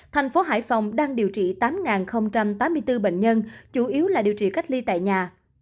thành phố hải phòng đang điều trị tám tám mươi bốn bệnh nhân chủ yếu là điều trị cách ly tại nhà